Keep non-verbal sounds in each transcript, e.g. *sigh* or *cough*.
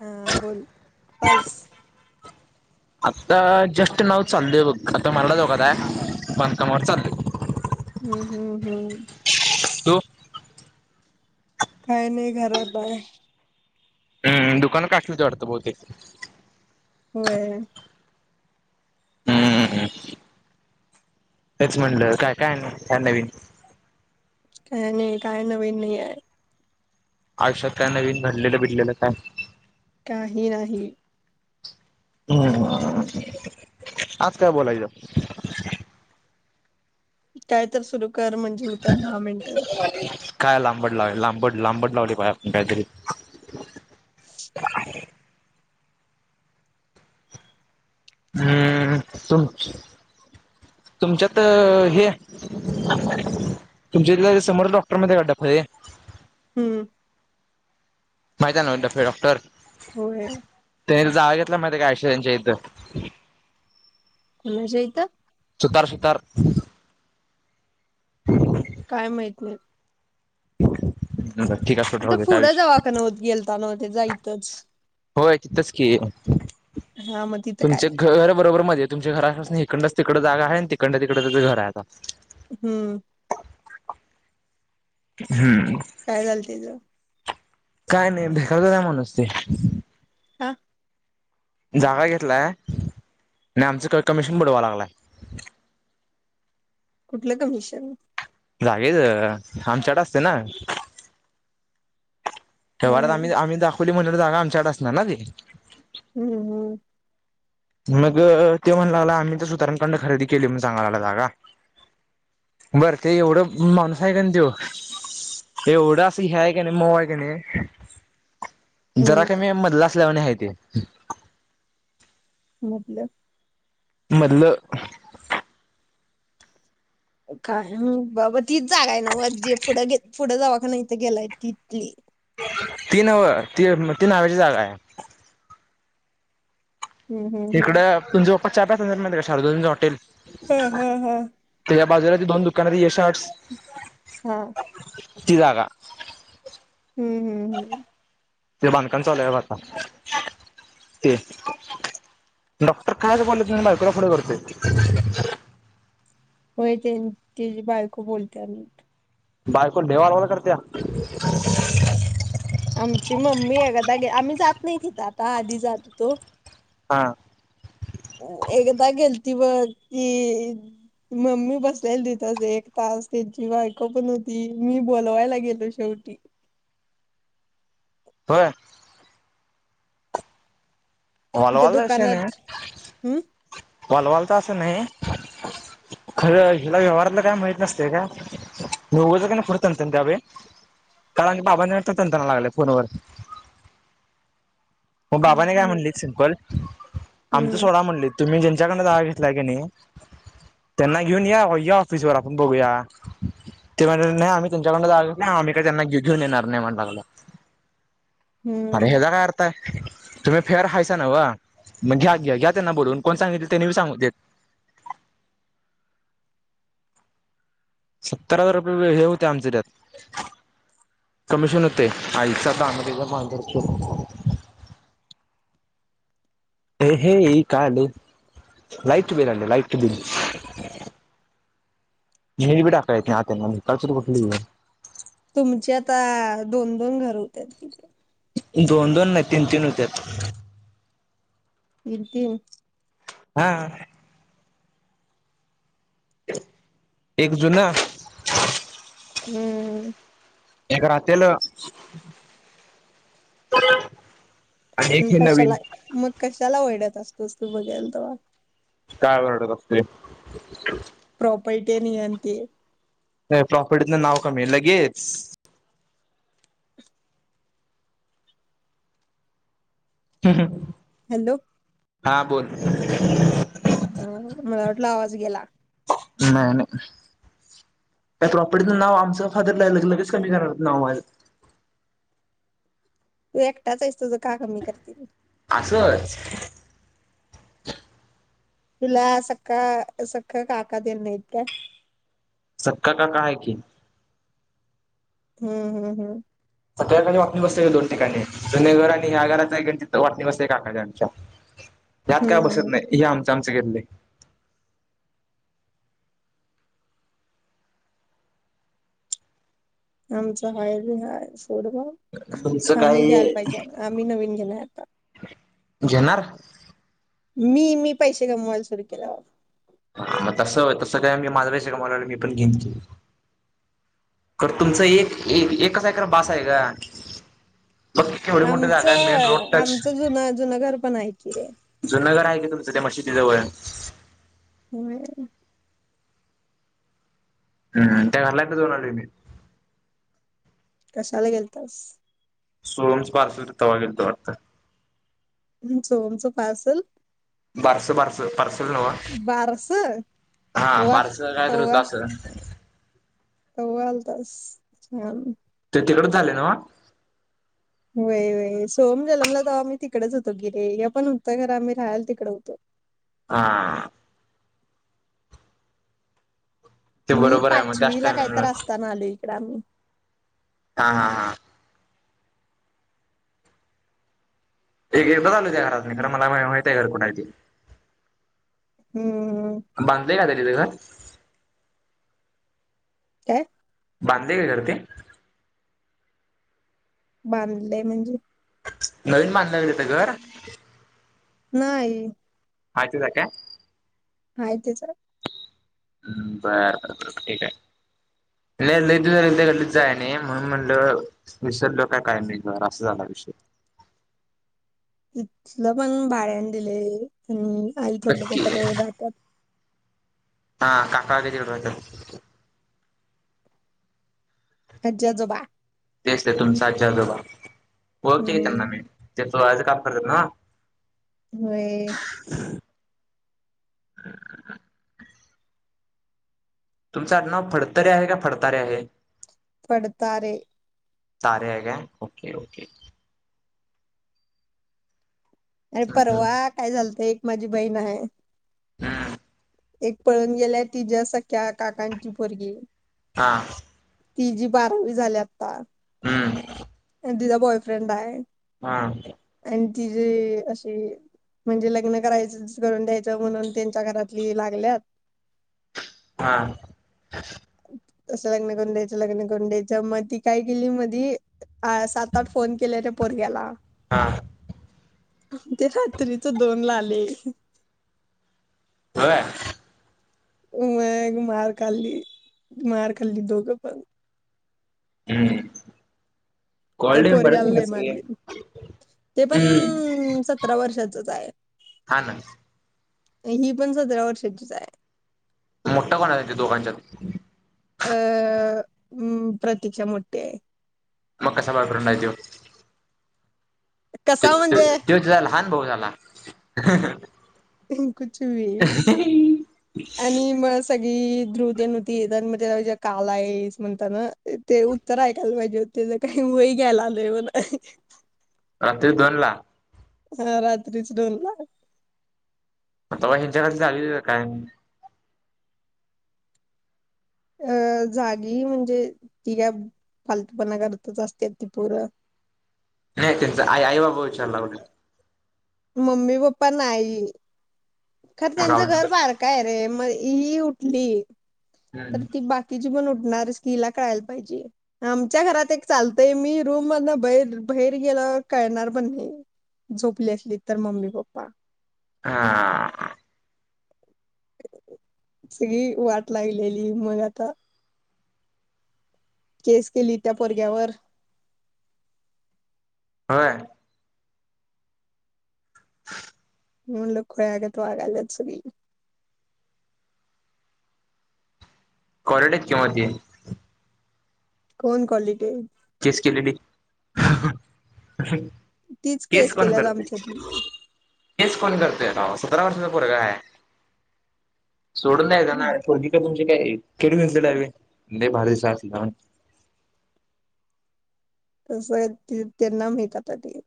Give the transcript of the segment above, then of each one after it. हा बोल पाईस आता जस्ट नाव चालयं बघ आता मराठा चौकात आहे. बांधकामवर चालोय हम्म हम्म हम्म तू काय नाही घरात आहे. हम्म दुकान काढतीस वाढतं बहुतेक होय हम्म तेच म्हणलं काय काय आणि काय नवीन काय नाही काय नवीन नाही आहे. आयुष्यात काय नवीन घडलेलं भिडलेलं काय, काही नाही ह आज काय बोलायच? काय तर सुरू कर म्हणजे होत्यात दहा मिनिटं काय लांबड लाव लांबड लांबड लावली पाहिजे. आपण काहीतरी हम् तु तुमच्यात हे तुमच्या समोर डॉक्टर माहिती आहे का डफळे हम्म माहित आहे नव्ह. डफळे डॉक्टर होय त्यांनी जागा घेतला माहिती काय? आईश्या त्यांच्या इथं कुणाच्या इथं सुतार सुतार काय माहीत नाही ठीक आहे सुट राहू तिथे दे काय पुढं विषय दवाखाना गेलता नव्ह त्याचा, तच होय तिथंच की हा मग तिथं काय तुमच्या घर बरोबर मध्ये तुमच्या घरा घरापासन हीकंडच तिकड जागा आहे तिकडं तिकड त्याचं घर आहे आता. हम्म. हम्म. काय झालं तेज? काय नाही भिकार चोट आहे माणूस ते. का? जागा घेतलाय आणि आमचं क कमिशन बुडवाय लागलाय. कुठलं कमिशन? जागेच आमच्याड असते ना. होय व्यवहारात आम्ही आम्ही दाखवली म्हणून जागा आमच्याड असणार ना ती. हम्म हम्म. मग त्यो म्हणाय लागला आम्ही ते सुतारां कंड खरेदी केली म्हणून सांगायला लागला बर ते एवढं माणूस आहे का नाही तो ते एवढं असं हे आहे का नाही मऊ आहे का नाही. जरा हम्म कमी मधला असल्यावाणी हाय ते. मतलब? मदल काय बाबा तीच जागा आहे ना मग जे पुढं पुढं दवाखाना गेलाय तिथली? ती नव ती ती न्हाव्याची जागा आहे. हम्म हम्म हम्म इकड तुम जं पप्पा चहा प्यायला जातात माहितीया काय शारुद्यांचा हॉटेल. हम्म हम्म हम्. बाजाराात दोन दुकानात यशर्ट्स हा. ती जागा. हम्म हम् हम्. ते बांधकाम चालूय बग आता ते डॉक्टर कायच बोलत नइ बायकोला पुुढे करतोय. होय ते तेजी बायको बोलत्या लई. बायको लै बाडबाड करत्या. आमची मम्मी एखादा आम्ही जात नाही तिथं आता आधी जात होतो. हा. एकदा गेलती बग ती मम्मी बसलेली तिथच एक तास त्यांची बायको पण हुती मी बोलवायला गेलो शेवटी होय. वाला तिथे वाल शाने दुकानात हम्म वालवाल तर असं नाही खरं हिला व्यवहारातला काय माहित नसतय काय आणि उगचच पुढं तनतनत्या बई कारण की बाबान तनतनाल्या लागल्या फोनवरती मग बाबाने काय म्हणली सिंपल आमचा हम्म सोडा म्हणलीत तुम्ही जेंच ज्यांच्याकडून जागा घेतलाय कनी त्यांना घेऊन या ऑफिस व आपण बघूया आम्ही त्यांच्याड जाग अम्ही काय त्यांना घेऊन घेऊन येणार नाही म्हटला मला अरे हम्म हेजा काय अर्थ तुम्ही फेअर हायसा नव मग घ्या घ्या घ्या त्यांना बोलवून कोण सांगितल त्येनी पण सांगू देत सत्तर हजार रुपये हे होते आमच त्यात कमिशन हुतय आईचा दाना तेज्या माजरच्योट हे हे का आलय लाईट बिल आले लाईट बिल *unintelligible* आत येत नाही त्यांना भिकारचोट कुठली तुमचे आता दोन दोन घर होत्या तीत दोन दोन नइ तीन तीन हुत्यात तीन तीन हा एक जुन हम्म एक रातेल मग कशाला मग कशाला वेडत जास्त वस्तू वघेल त काय वरडत असतोय प्रॉपर्टी नियती अता प्रॉफिट मदन नाव कमी लगेच हम् हम हॅलो हां बोल ह मला वाटला आवाज गेला नाय नाय त्या प्रॉपर्टीतन नाव आमच फादर ला ले लगेच कमी कराल्यात माझ तू एकटाचयस तुज का कमी करतील असच तुला सख्ख काका तेन कोन नइत काय सक्का काका हाय कि हम्म हम्म हम् सगळ्याणी वाटणी बसत्या दोन ठिकाणी जुन्या घर आणि ह्या घराचा वाटणी बसत्या काका तेनच यात काय हम्म बसत नइ हम्म हे आम चमच केेतले आमचा हय ब हाय थोड तुमचं आम्ही घ्याला काय पाहिजे आम्ही नवीन घेणार आता जेनर मी मी पैसे कमवायला सुरू केलेवर मग तस तसं काय मी माजवायच का मला मी पण घेंते तर तुमचं एक एकच ए भास आहे का बघ केवढी मोठी जागा आहे मेन रोड आमचं टच आमचं जुन जुन घर पण हाय की जुनं घर आहे तुमचं त्या मशी त जवळ होय *inaudible* कशाला गेलतास सोमस पारस तवागल त वाटता तमच तमचं पार्सल बरस बरस परस बारसं हा वा भारताचा काय तर होत असेल होय बस छान ते तिकडच झाले नव्ह. व्हय व्हय सोम जन्मला तव आम्ही तिकडेच होतं, की रे हे पण होतं घर आम्ही राहायला तिकड होतो. हा. ते मी बरोबर आहे मग त्याच पाचवीला काहीतर टायमिंगला असताना आलोय. आणि हा हा हा एक बालू त्या घरात म खरं मला मा माहित आहे घर कुणा हम्म मानले काय ते तिथे घर. काय, बांधले काय घर ते. बांधले म्हणजे. नवीन बांधलाय काय तिथे घर. नाही. हाय तिथेच आहे काय. हाय तेच आहे. हम् बरर ठीक आहे ल झा गल्लीच जाय नाही. म्हणून म्हणलं विसर लो का काय नाही असा झाला विषय. इथलं पण भाड्याने दिलय पण आई थोरलं नक्की पप्पा तेवढं राहत्यात. हा काका *unintelligible* आजी आजोबा. तेच ते तुमचे आजी आजोबा. हो त्यांना हम्म म आ *unintelligible* *unintelligible* हा होय *inaudible* तुमचं नाव फडतरे आहे, का फडतारे आहे. पडतारे तारे हाय काय ओके ओके अरे हम्म परवा काय झाचालतय माझी बहीण आहे. हम्म एक पळून गेल्या ति ज्या सख्या काकांची पोरगी हा ति जी बारावी झाली आता हम्म तिचा बॉयफ्रेंड आहे. हा. ति जे अ म्हणजे लग्न करायच करून द्यायच म्हणून त्यांच्या घरातली लागल्यात. हा. त लग्न करं द्याच लग्न कं द्याच मग ती काय केेली, मधी सात आठ फोन केले पोरग्याला. हा. ते हात्रीच दोन ला आलं. हं ह म मार खाल्ली मार खाली दोग पन हम्म त्या कॉल्ड बरच पोरग्याला पण नाही लई कस मारली ते पण हम्म सतरा वर्षाचच आहे हा ना ही पण सतरा वर्षाचीच आहे मोठा कोण आहेच्या दोगाच्यात *unintelligible* प्रतीक्षा मोठी हाय *unintelligible* मग कस बॉयफ्रेंड हाय त्यो ते कसा म्हणजे तझला लहान भाऊ झाला *inaudible* कुछ भी आणी मग धृवती नृती येत मग त्यालाे काल आहेस म्हणत ना ते उत्तर ऐकायला पाहिजे काही वय घ्यायला आलंय म्ह रात्री दोन ला हा रात्रीच डोन ला आता बा हिच्याक झालेली काय अ जागी म्हणजे ती का पालतूपणा करतच असते ती पूर नाही त्यांच आई आई बाबा विचारलाग मम्मी पप्पा नाही खरं त्यांचं घर आवडलं. बार काय रे म ह उठली तर हम्म त बाकिची पण णार किला कळायला पाहिजे आमच्या घरात एक चालतय मी रूम मध बर बाहेर गेल कळणार पण नाही झोपली असली तर मम्मी पप्पा हा सगळी वाट लागलेली मग आता केस केली त्या पोरग्यावर हो मी म्हणलं खुळ्यागत वागल्यात सगळी कॉलीटी हायत कि मग ती कोण क्वालिटी आहे? केस केलेली. तीच केस केल्या आमच्यात हेच कोण करतोय भा सतरा वर्षाचा पोरग आहे सोडून द्यायचं ना ज का आहे कड घलेलाे लई भारी दिसलीस तस आहे त्यांना माहीत आता ते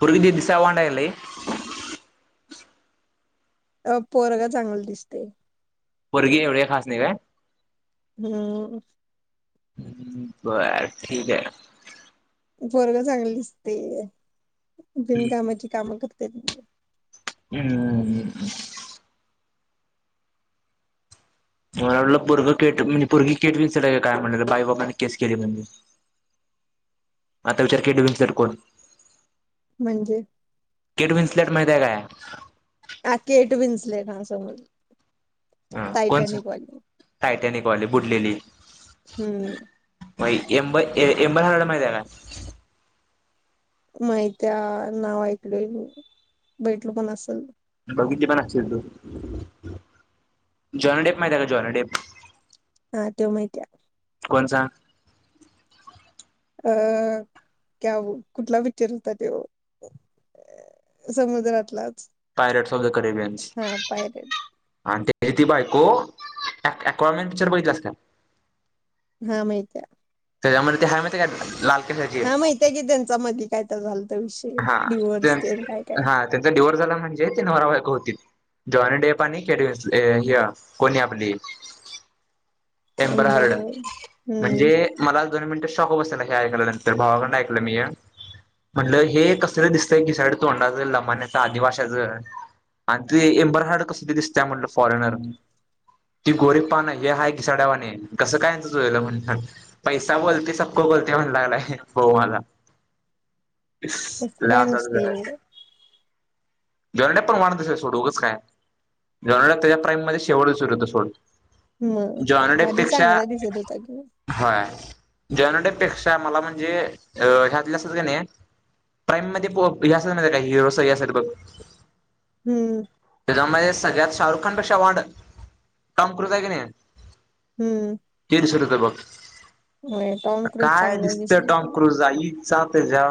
पोरगी दिसाय वांड आहे काय लई अ पोरग चांगलं दिसते पोरगी एवढेकाय खास नाही का हम हम् बर ठीक आहे पोरग चांगल दिसत बिनकामाची कामं कर ते हम् मला वाटलं पोरग पोरगी केट विनट आहे का काय म्हण बाई बाबाांनी केस केली म्हणजे आता विचार केट विनसेट कोण म्हणजे नट माहिय काय ह केट बिनसले का समजल हा कोणच टयटनिक वानी टायटॅनिक वाणी बुटलेली हम्म ययेबट हार्ड माहिती आहे का माहित्या नाव ऐकल भेटलो पण असेल बघितली पण असतील तू जॉनडेप माहिती आहे का जॉन डेप हा ते माहित आहे कोण सांग अ क कुठला पिक्चर होता तो समुद्रातला pirates of the Caribbeans pirate आणि ते ती बायको आक्वारमेंट पिक्चर बघितलं आहेस का हा माहित त्याच्यामध्ये ते आहे माहित आहे का लाल केसाची हा माहीत आहे की त्याच्या मध्ये काय तर झालेलं हा हा त्यांचा डिवोर्स झाला म्हणजे ते नवरा बायको होते जॉनी डे पानी केड कोणी आपली टेम्पर हार्ड बरं हम्म म्हणजे मला दोन मिनिट हे ऐ नंतर भावाकड ऐकलं मी हे म्हटल हे कस दिसतय घिसाड तोंडाच लमाण्याचं आदिवाशाच आणि ते एंबरहार्ड कस दिसतीया म्हटल फॉरेनर ती गोरी पान हे हाय सड्यावाणी कसं काय जुळल म्हणल पैसा बोलते सबको बोलते म्हणायला लागलाय भाऊ माझा. तसं काय नसते एवढं *unintelligible* जॉनडा पण वाण तस सोड उगंच काय जॉनडा त्याच्या प्राईम मध्ये शेवट सुरू होत सोड. मग आधी जॉनडेपेक्षा चांगला दिसत होता कि व्हय जॉन डे पेक्षा मला म्हणजे अ ह्यातली असत्यात क नि प्राईम मध्ये हे असत्यात माहीत काय हिरो सगळी असत्यात बघ *unintelligible* हम्म त्याच्यामध्ये सगळ्यात शाहरुख खानपेक्षा वांड टॉम क्रुझ हाय क नि. हम्म दबंग हो टॉम क्रुज चांगले दिसल पण साथ जा